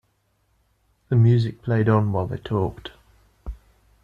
The music played on while they talked.